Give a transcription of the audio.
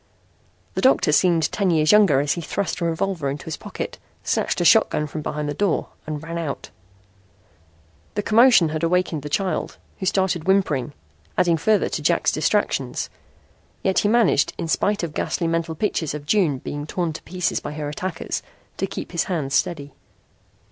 The doctor seemed ten years younger as he thrust a revolver into his pocket, snatched a shotgun from behind the door and ran out. The commotion had awakened the child, who started whimpering, adding further to Jack's distractions. Yet he managed, in spite of ghastly mental pictures of June being torn to pieces by her attackers, to keep his hands steady.